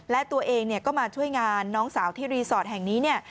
และตัวเองก็มาช่วยงานน้องสาวที่รีสอร์ทแห่งนี้เนี่ย